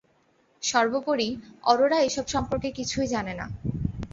সর্বোপরি, অরোরা এইসব সম্পর্কে কিছুই জানেনা।